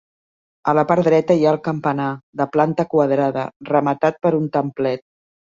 A la part dreta hi ha el campanar, de planta quadrada, rematat per un templet.